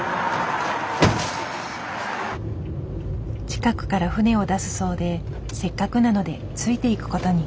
近くから船を出すそうでせっかくなのでついていくことに。